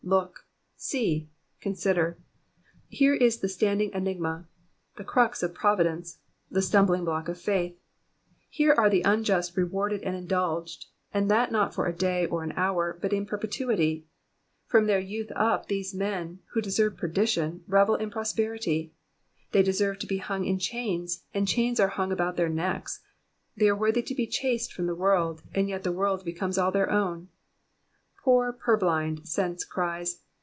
'^^ Look ! Bee ! Consider! Here is the standing eni^a I The crux of Providence ! The stumbling block of faith I Here are the unjust rewarded and indulged, and that not for a day or an hour, but in perpetuity. From their youth up these men, who deserve perdition, revel in prosperity. They deserve to be hung in chains, and chains are hung about their necks ; they are worthy to be chased from the world, and yet the world becomes all their own. Poor purblind sense cries.